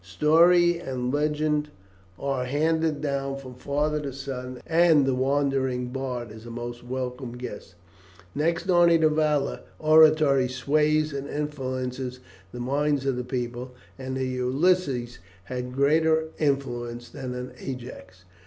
Story and legend are handed down from father to son, and the wandering bard is a most welcome guest. Next only to valour oratory sways and influences the minds of the people, and a Ulysses had greater influence than an Ajax.